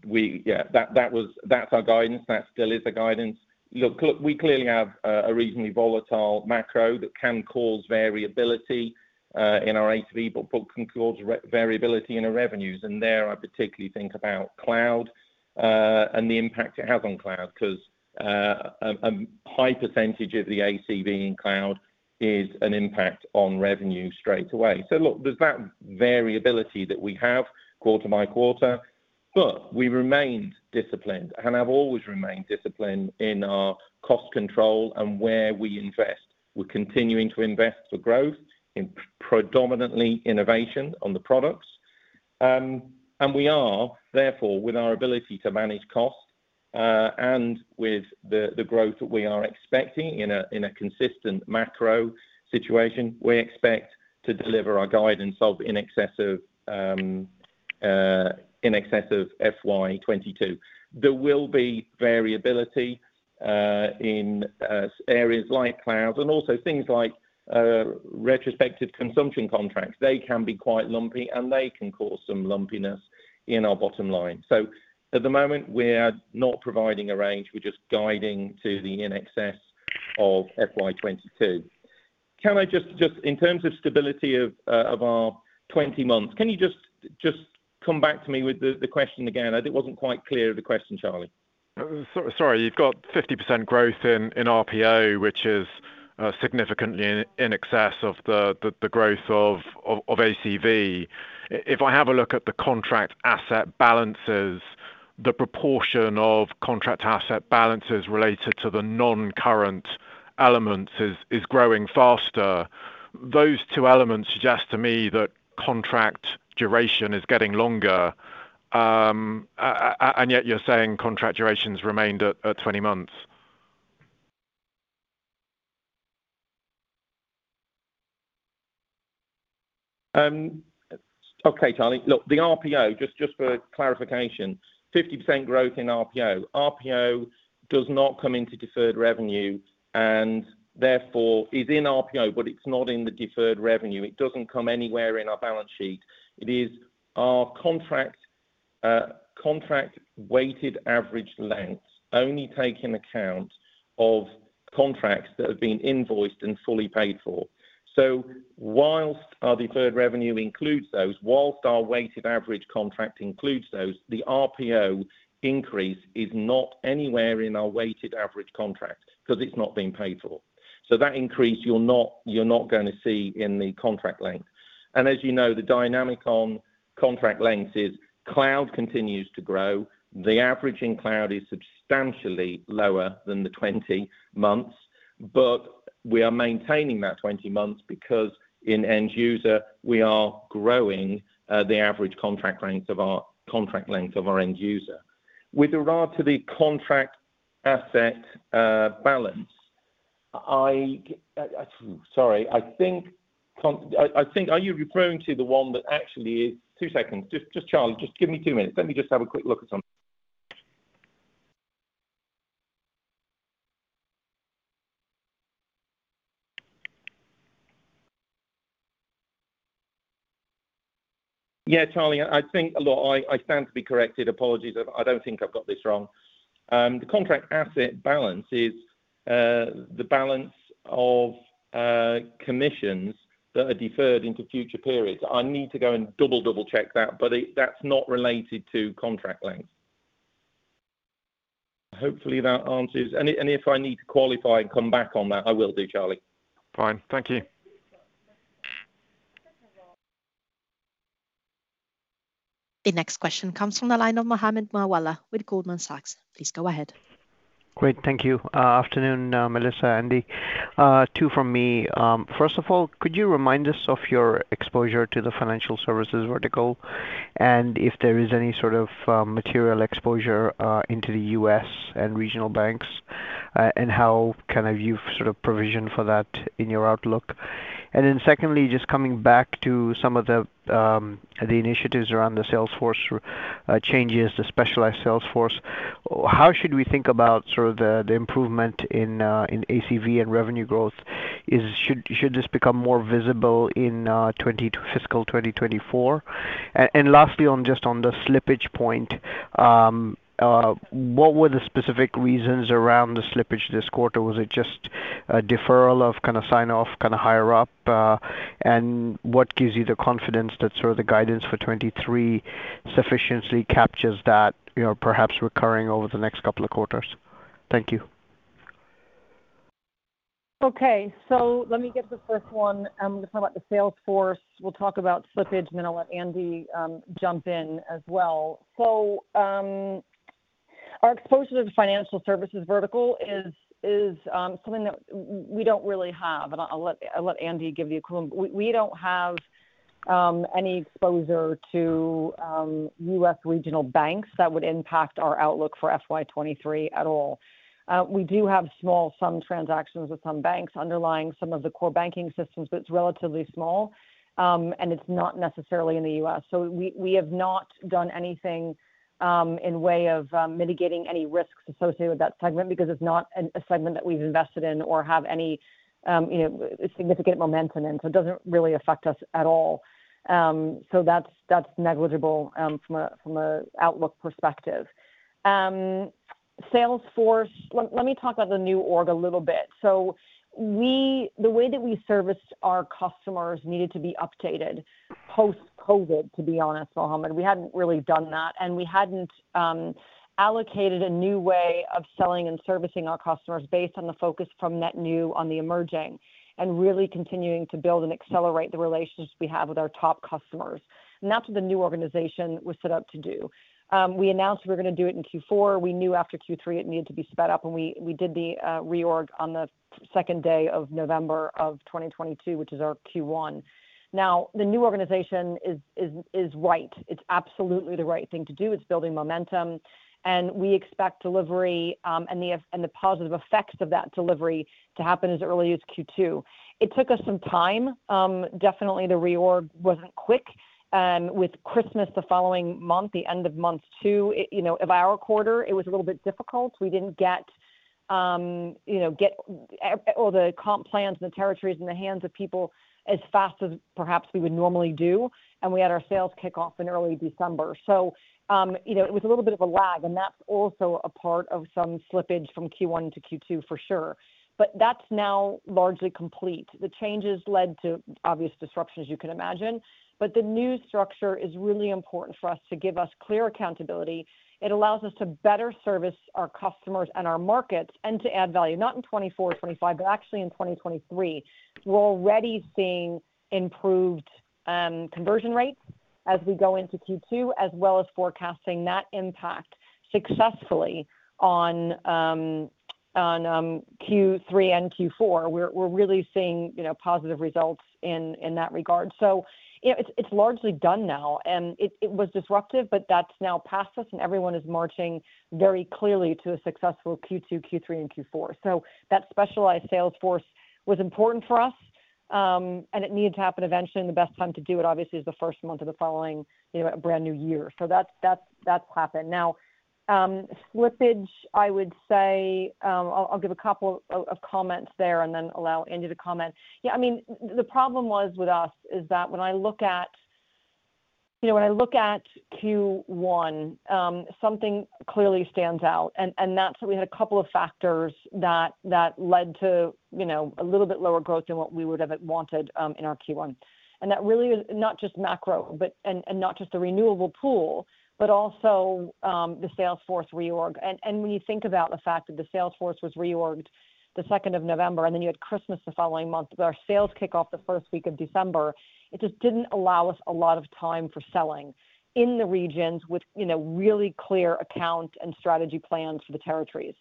We, yeah, that was that's our guidance. That still is the guidance. Look, we clearly have a reasonably volatile macro that can cause variability in our ACV, but can cause re-variability in our revenues. There I particularly think about cloud and the impact it has on cloud because high % of the ACV in cloud is an impact on revenue straight away. Look, there's that variability that we have quarter by quarter, but we remained disciplined, and I've always remained disciplined in our cost control and where we invest. We're continuing to invest for growth in predominantly innovation on the products. We are, therefore, with our ability to manage costs, and with the growth that we are expecting in a consistent macro situation, we expect to deliver our guidance of in excess of in excess of FY 2022. There will be variability in areas like cloud and also things like retrospective consumption contracts. They can be quite lumpy, and they can cause some lumpiness in our bottom line. At the moment, we're not providing a range. We're just guiding to the in excess of FY 2022. Can I just in terms of stability of our 20 months, can you just come back to me with the question again? I think it wasn't quite clear the question, Charlie. Sorry. You've got 50% growth in RPO, which is significantly in excess of the growth of ACV. If I have a look at the contract asset balances, the proportion of contract asset balances related to the non-current elements is growing faster. Those two elements suggest to me that contract duration is getting longer, and yet you're saying contract durations remained at 20 months. Okay, Charlie. Look, the RPO, just for clarification, 50% growth in RPO. RPO does not come into deferred revenue and therefore is in RPO, but it's not in the deferred revenue. It doesn't come anywhere in our balance sheet. It is our contract weighted average lengths only take in account of contracts that have been invoiced and fully paid for. Whilst our deferred revenue includes those, whilst our weighted average contract includes those, the RPO increase is not anywhere in our weighted average contract 'cause it's not been paid for. That increase, you're not gonna see in the contract length. As you know, the dynamic on contract lengths is cloud continues to grow. The average in cloud is substantially lower than the 20 months. But we are maintaining that 20 months because in end user, we are growing the average contract length of our end user. With regard to the contract asset balance. Sorry, I think are you referring to the one that actually is... two seconds. Just Charlie, just give me two minutes. Let me just have a quick look at something. Charlie, I think look, I stand to be corrected. Apologies if I don't think I've got this wrong. The contract asset balance is the balance of commissions that are deferred into future periods. I need to go and double-check that, but that's not related to contract length. Hopefully, that answers. If I need to qualify and come back on that, I will do, Charlie. Fine. Thank you. The next question comes from the line of Mohammed Moawalla with Goldman Sachs. Please go ahead. Great. Thank you. Afternoon, Melissa, Andy. Two from me. First of all, could you remind us of your exposure to the financial services vertical, and if there is any sort of material exposure into the U.S. and regional banks, and how can I view sort of provision for that in your outlook? Secondly, just coming back to some of the initiatives around the sales force, changes to specialized sales force, how should we think about sort of the improvement in ACV and revenue growth? Should this become more visible in fiscal 2024? Lastly, on just on the slippage point, what were the specific reasons around the slippage this quarter? Was it just a deferral of sign-off higher up? And what gives you the confidence that sort of the guidance for 23 sufficiently captures that, you know, perhaps recurring over the next couple of quarters? Thank you. Okay. So let me get the first one. I'm gonna talk about the sales force. We'll talk about slippage, then I'll let Andy jump in as well. Our exposure to financial services vertical is something that we don't really have, and I'll let I'll let Andy give you a clue. We don't have any exposure to U.S. regional banks that would impact our outlook for FY 2023 at all. We do have small sum transactions with some banks underlying some of the core banking systems, but it's relatively small, and it's not necessarily in the U.S. So we have not done anything in way of mitigating any risks associated with that segment because it's not a segment that we've invested in or have any significant momentum in, so it doesn't really affect us at all. That's negligible from an outlook perspective. Sales force. Let me talk about the new org a little bit. The way that we serviced our customers needed to be updated post-COVID, to be honest, Mohammed. We hadn't really done that, and we hadn't allocated a new way of selling and servicing our customers based on the focus from Net New on the emerging and really continuing to build and accelerate the relationships we have with our top customers. That's what the new organization was set up to do. We announced we were going to do it in Q4. We knew after Q3 it needed to be sped up, and we did the reorg on the second day of November 2022, which is our Q1. The new organization is right. It's absolutely the right thing to do. It's building momentum, and we expect delivery, and the positive effects of that delivery to happen as early as Q2. It took us some time. Definitely the reorg wasn't quick. With Christmas the following month, the end of month two, it, you know, of our quarter, it was a little bit difficult. We didn't get, you know, all the comp plans and the territories in the hands of people as fast as perhaps we would normally do, and we had our sales kickoff in early December. So, you know, it was a little bit of a lag, and that's also a part of some slippage from Q1 to Q2 for sure. That's now largely complete. The changes led to obvious disruptions you can imagine, but the new structure is really important for us to give us clear accountability. It allows us to better service our customers and our markets and to add value, not in 2024, 2025, but actually in 2023. We're already seeing improved conversion rates as we go into Q2, as well as forecasting that impact successfully on Q3 and Q4. We're really seeing, you know, positive results in that regard. You know, it's largely done now, and it was disruptive, but that's now past us and everyone is marching very clearly to a successful Q2, Q3 and Q4. So that specialized sales force was important for us, and it needed to happen eventually, and the best time to do it obviously is the first month of the following, you know, a brand new year. So that's happened. Now, slippage, I would say, I'll give a couple of comments there and then allow Andy to comment. Yeah, I mean, the problem was with us is that when I look at, you know, when I look at Q1, something clearly stands out and that's what we had a couple of factors that led to, you know, a little bit lower growth than what we would have wanted, in our Q1. That really is not just macro and not just the renewable pool, but also, the sales force reorg. And we think about the fact that the sales force was reorged the second of November, and then you had Christmas the following month, our sales kick off the first week of December, it just didn't allow us a lot of time for selling in the regions with, you know, really clear account and strategy plans for the territories.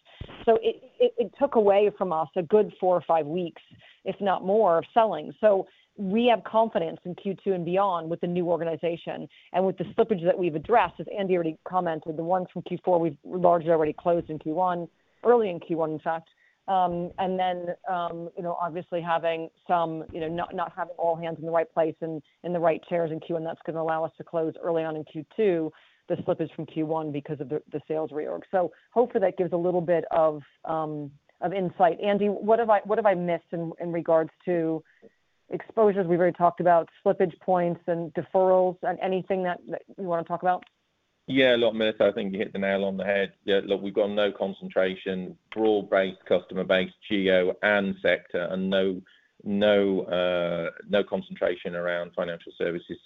It took away from us a good four or five weeks, if not more, of selling. We have confidence in Q2 and beyond with the new organization and with the slippage that we've addressed, as Andy already commented, the ones from Q4 we've largely already closed in Q1, early in Q1, in fact. And then you know, obviously having some, you know, not having all hands in the right place and in the right chairs in Q1, that's gonna allow us to close early on in Q2 the slippage from Q1 because of the sales reorg. Hopefully that gives a little bit of insight. Andy, what have I missed in regards to exposures? We've already talked about slippage points and deferrals. Anything that you wanna talk about? Yeah, look, Melissa, I think you hit the nail on the head. Look, we've got no concentration, broad-based customer base, geo and sector, and no concentration around financial services.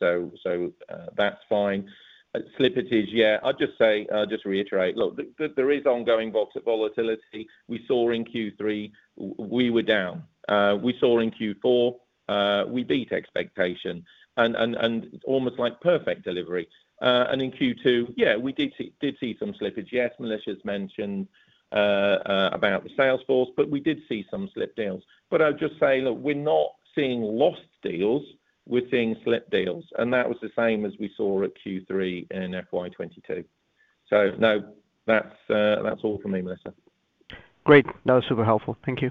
That's fine. Slippages, yeah. I'll just say, I'll just reiterate. Look, there is ongoing volatility. We saw in Q3 we were down. We saw in Q4 we beat expectation and almost like perfect delivery. In Q2, yeah, we did see some slippage. Yes, Melissa's mentioned about the sales force, but we did see some slipped deals. I'll just say, look, we're not seeing lost deals, we're seeing slipped deals, and that was the same as we saw at Q3 in FY 2022. No, that's all from me, Melissa. Great. That was super helpful. Thank you.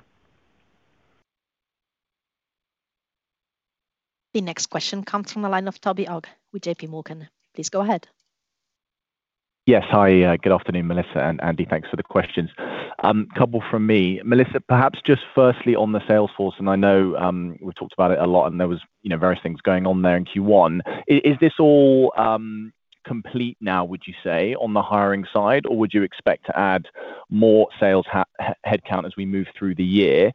The next question comes from the line of Toby Ogg with JPMorgan. Please go ahead. Yes. Hi. Good afternoon, Melissa and Andy. Thanks for the questions. Couple from me. Melissa, perhaps just firstly on the sales force, and I know, we've talked about it a lot, and there was, you know, various things going on there in Q1. Is this all complete now, would you say, on the hiring side, or would you expect to add more sales headcount as we move through the year?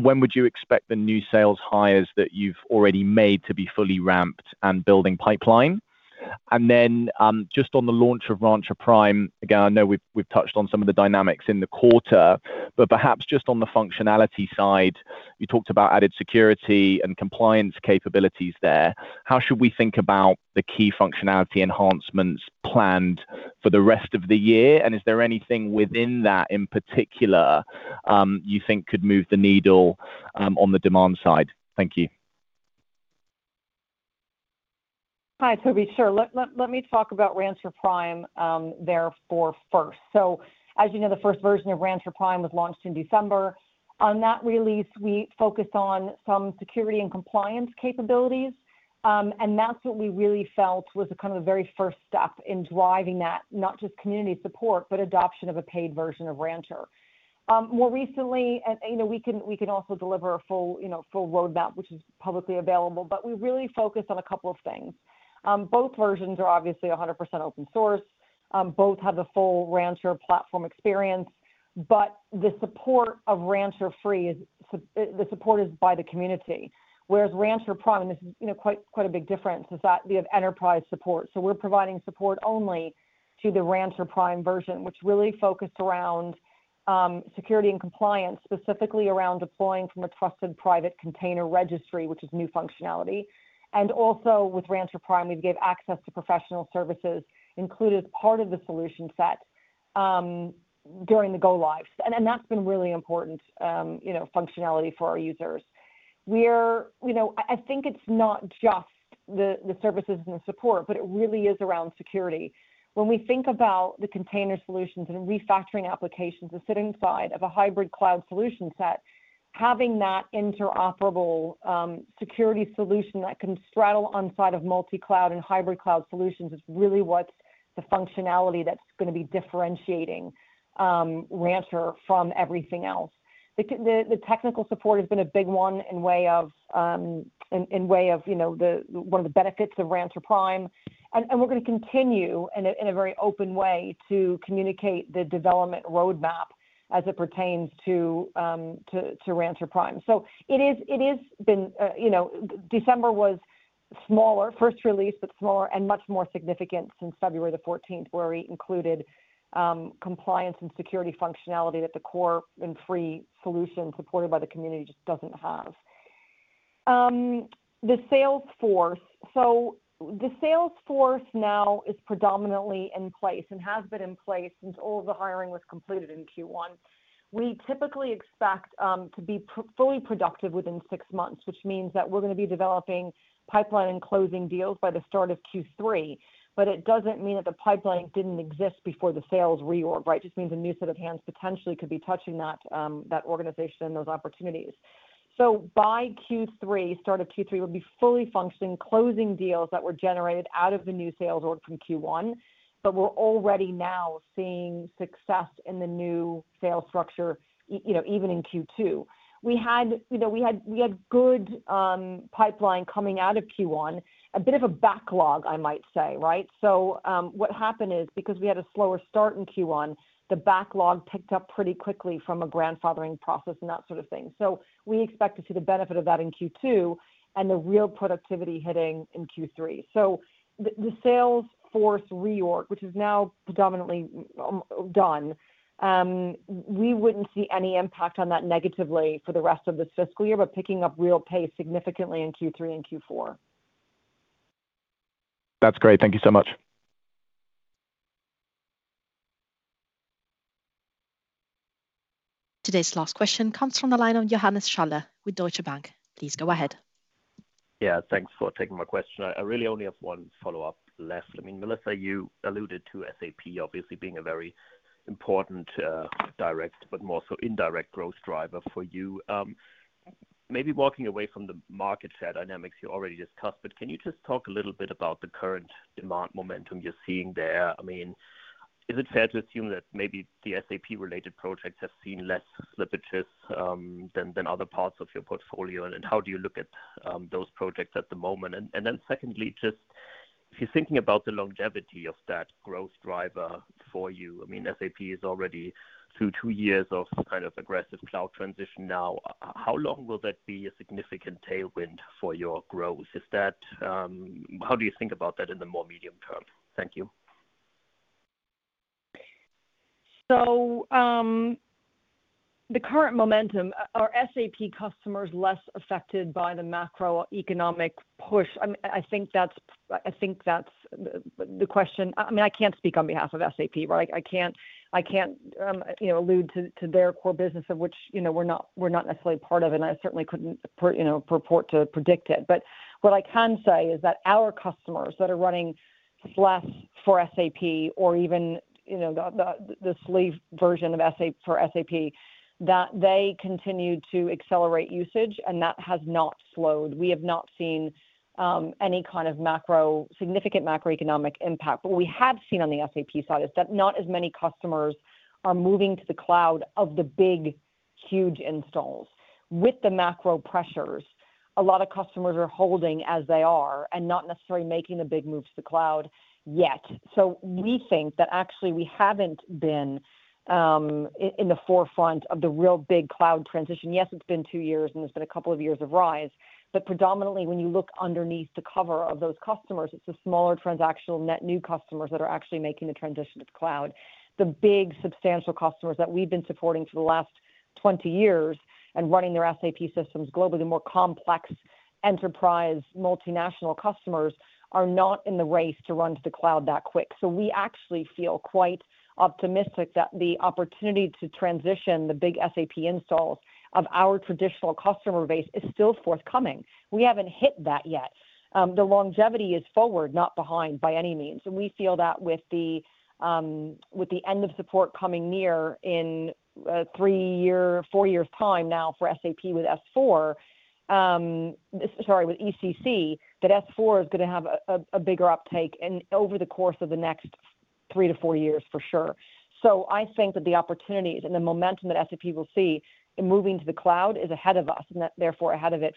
When would you expect the new sales hires that you've already made to be fully ramped and building pipeline? Just on the launch of Rancher Prime, again, I know we've touched on some of the dynamics in the quarter, but perhaps just on the functionality side, you talked about added security and compliance capabilities there. How should we think about the key functionality enhancements planned for the rest of the year? Is there anything within that, in particular, you think could move the needle on the demand side? Thank you. Hi, Toby. Sure. Let me talk about Rancher Prime, therefore first. As you know, the first version of Rancher Prime was launched in December. On that release, we focused on some security and compliance capabilities, that's what we really felt was the kind of very first step in driving that, not just community support, but adoption of a paid version of Rancher. More recently, you know, we can also deliver a full, you know, full roadmap, which is publicly available, but we really focus on a couple of things. Both versions are obviously 100% open source. Both have the full Rancher platform experience, but the support of Rancher Free is the support is by the community, whereas Rancher Prime, this is, you know, quite a big difference, is that we have enterprise support. So we're providing support only to the Rancher Prime version, which really focused around security and compliance, specifically around deploying from a trusted private container registry, which is new functionality. With Rancher Prime, we've gave access to professional services included as part of the solution set during the go lives. That's been really important, you know, functionality for our users. You know, I think it's not just the services and the support, but it really is around security. When we think about the container solutions and refactoring applications that sit inside of a hybrid cloud solution set, having that interoperable security solution that can straddle on side of multi-cloud and hybrid cloud solutions is really what's the functionality that's gonna be differentiating Rancher from everything else. They can get the technical support has been a big one in way of, you know, the one of the benefits of Rancher Prime. We're gonna continue in a very open way to communicate the development roadmap as it pertains to Rancher Prime. It is been, you know, December was smaller, first release, but smaller and much more significant since February 14th, where we included compliance and security functionality that the core and free solution supported by the community just doesn't have. The sales force. The sales force now is predominantly in place and has been in place since all of the hiring was completed in Q1. We typically expect to be fully productive within six months, which means that we're gonna be developing pipeline and closing deals by the start of Q3. It doesn't mean that the pipeline didn't exist before the sales reorg, right? It just means a new set of hands potentially could be touching that organization and those opportunities. By Q3, start of Q3, we'll be fully functioning, closing deals that were generated out of the new sales org from Q1. We're already now seeing success in the new sales structure, you know, even in Q2. We had, you know, we had good pipeline coming out of Q1, a bit of a backlog, I might say, right? So what happened is, because we had a slower start in Q1, the backlog picked up pretty quickly from a grandfathering process and that sort of thing. So we expect to see the benefit of that in Q2 and the real productivity hitting in Q3. So the sales force reorg, which is now predominantly done, we wouldn't see any impact on that negatively for the rest of this fiscal year, but picking up real pace significantly in Q3 and Q4. That's great. Thank you so much. Today's last question comes from the line of Johannes Schaller with Deutsche Bank. Please go ahead. Yeah, thanks for taking my question. I really only have one follow-up left. I mean, Melissa, you alluded to SAP obviously being a very important direct but more so indirect growth driver for you. Maybe walking away from the market share dynamics you already discussed, but can you just talk a little bit about the current demand momentum you're seeing there? I mean Is it fair to assume that maybe the SAP-related projects have seen less slippages, than other parts of your portfolio? How do you look at, those projects at the moment? Secondly, just if you're thinking about the longevity of that growth driver for you, I mean, SAP is already through two years of kind of aggressive cloud transition now. How long will that be a significant tailwind for your growth? Is that... How do you think about that in the more medium term? Thank you. So, the current momentum, are SAP customers less affected by the macroeconomic push? I think that's the question. I mean, I can't speak on behalf of SAP, right? I can't, you know, allude to their core business of which, you know, we're not necessarily part of, and I certainly couldn't, you know, purport to predict it. What I can say is that our customers that are running SLES for SAP or even, you know, the SLES version of SAP, that they continue to accelerate usage, and that has not slowed. We have not seen any kind of significant macroeconomic impact. What we have seen on the SAP side is that not as many customers are moving to the cloud of the big, huge installs. With the macro pressures, a lot of customers are holding as they are and not necessarily making the big move to the cloud yet. We think that actually we haven't been in the forefront of the real big cloud transition. Yes, it's been two years, and it's been a couple of years of RISE. Predominantly, when you look underneath the cover of those customers, it's the smaller transactional net new customers that are actually making the transition to the cloud. The big, substantial customers that we've been supporting for the last 20 years and running their SAP systems globally, the more complex enterprise multinational customers are not in the race to run to the cloud that quick. We actually feel quite optimistic that the opportunity to transition the big SAP installs of our traditional customer base is still forthcoming. We haven't hit that yet. The longevity is forward, not behind by any means. We feel that with the end of support coming near in three year, four years' time now for SAP with S/4, sorry, with ECC, that S/4 is gonna have a bigger uptake over the course of the next three to four years, for sure. I think that the opportunities and the momentum that SAP will see in moving to the cloud is ahead of us, and therefore ahead of us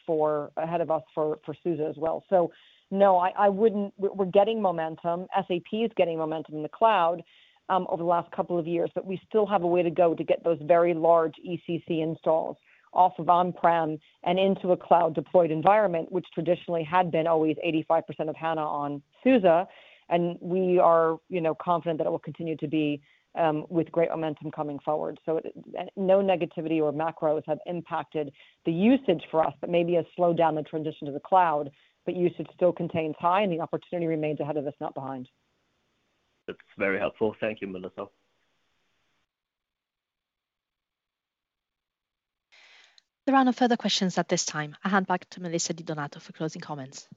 for SUSE as well. No, I wouldn't. We're getting momentum. As SAP is getting momentum in the cloud over the last couple of years, but we still have a way to go to get those very large ECC installs off of on-prem and into a cloud deployed environment, which traditionally had been always 85% of HANA on SUSE. We are, you know, confident that it will continue to be with great momentum coming forward. No negativity or macros have impacted the usage for us, but maybe has slowed down the transition to the cloud, but usage still contains high and the opportunity remains ahead of us, not behind. That's very helpful. Thank you, Melissa. There are no further questions at this time. I hand back to Melissa Di Donato for closing comments.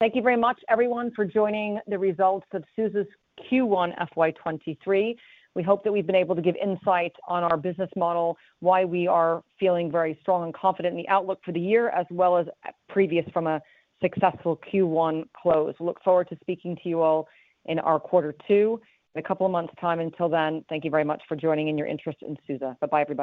Thank you very much, everyone, for joining the results of SUSE's Q1 FY 2023. We hope that we've been able to give insight on our business model, why we are feeling very strong and confident in the outlook for the year, as well as previous from a successful Q1 close. Look forward to speaking to you all in our quarter two in a couple of months time. Until then, thank you very much for joining and your interest in SUSE. Bye-bye Goodbye.